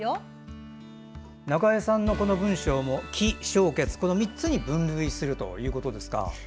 中江さんのこの文章も起承結、３つに分類するということですか。